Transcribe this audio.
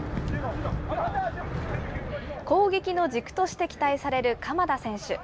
攻撃の軸として期待される鎌田選手。